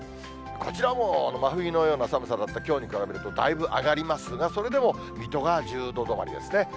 こちらもう、真冬のような寒さだったきょうに比べると、だいぶ上がりますが、それでも水戸が１０度止まりですね。